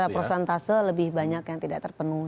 prosentase lebih banyak yang tidak terpenuhi